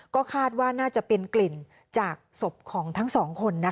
ก็คาดว่าน่าจะเป็นกลิ่นจากศพของทั้งสองคน